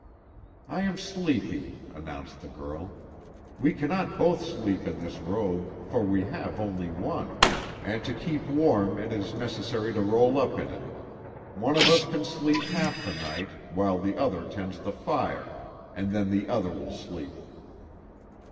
"I am sleepy," announced the girl. "We cannot both sleep in this robe, for we have only one, and to keep warm it is necessary to roll up in it. One of us can sleep half the night while the other tends the fire, and then the other will sleep."